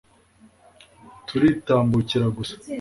turitambukira gusa